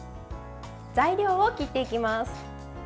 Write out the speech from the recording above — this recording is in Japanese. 材料を切っていきます。